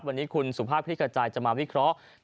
วันนี้คุณสุภาพคลิกกระจายจะมาวิเคราะห์